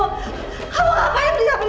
kamu ngapain percaya sama i